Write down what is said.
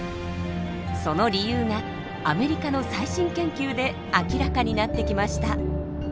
その理由がアメリカの最新研究で明らかになってきました。